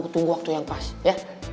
tunggu waktu yang pas ya